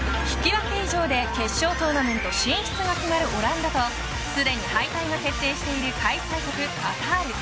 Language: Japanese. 引き分け以上で決勝トーナメント進出が決まるオランダとすでに敗退が決定している開催国、カタール。